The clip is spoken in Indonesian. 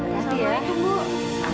selamat pagi ya bu